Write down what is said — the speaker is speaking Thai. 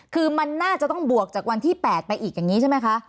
คือมันน่าจะต้องบวกจากวันที่๘ไปอีกอย่างนี้ใช่ไหมคะ